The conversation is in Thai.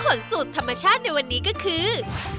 ผลสูตรธรรมชาติในวันนี้ก็คือ